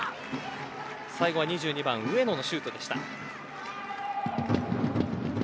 最後は２２番上野のシュートでした。